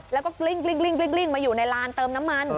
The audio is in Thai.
แล้วก็กลิ้งมาอยู่ในลานเติมน้ำมัน